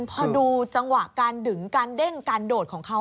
พอดูจังหวะการดึงการเด้งการโดดของเขา